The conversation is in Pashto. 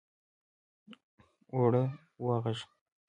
اوړه واغږه!